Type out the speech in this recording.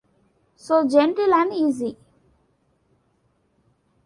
So genteel and easy!